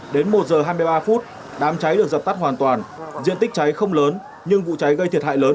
đến một h hai mươi ba phút đám cháy được dập tắt hoàn toàn diện tích cháy không lớn nhưng vụ cháy gây thiệt hại lớn